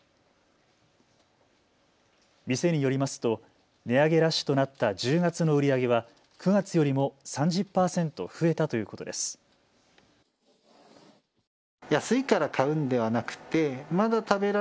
店によりますと値上げラッシュとなった１０月の売り上げは９月よりも３０％増えたということです。